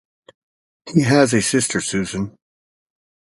He has a sister, Susan.